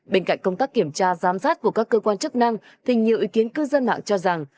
bên cạnh công tác kiểm tra giám sát của các cơ quan chức năng thì nhiều ý kiến cư dân mạng cho rằng